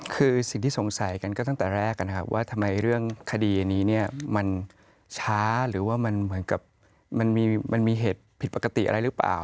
คือสิ่งที่สงสัยกันก็ตั้งแต่แรกนะครับว่าทำไมเรื่องคดีอันนี้เนี่ยมันช้าหรือว่ามันเหมือนกับมันมีเหตุผิดปกติอะไรหรือเปล่า